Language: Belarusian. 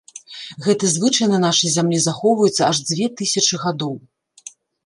Гэты звычай на нашай зямлі захоўваецца аж дзве тысячы гадоў.